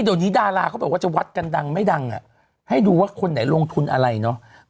โดยนี้ดาราเขาบอกวัดกันดังไม่ดังให้ดูว่าคนไหนลงทุนอะไรเนาะ